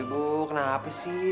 ibu kenapa sih